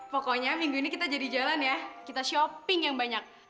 pokoknya minggu ini kita jadi jalan ya kita shopping yang banyak